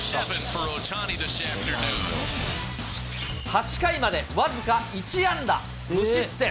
８回まで僅か１安打無失点。